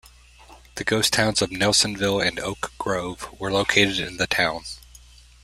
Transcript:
The ghost towns of Nelsonville and Oak Grove were located in the town.